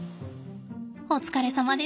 お疲れさまでした。